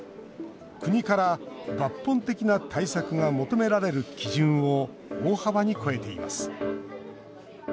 国から抜本的な対策が求められる基準を大幅に超えています。